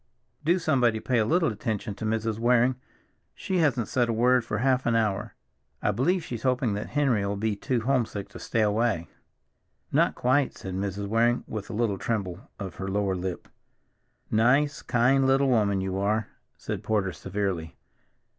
Do somebody pay a little attention to Mrs. Waring; she hasn't said a word for half an hour. I believe she's hoping that Henry'll be too homesick to stay away." "Not quite," said Mrs. Waring with a little tremble of her lower lip. "Nice, kind little woman you are," said Porter severely.